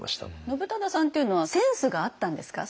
信忠さんっていうのはセンスがあったんですか？